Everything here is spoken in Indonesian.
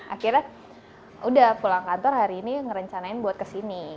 akhirnya udah pulang kantor hari ini ngerencanain buat kesini